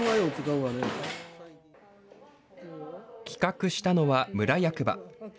企画したのは村役場。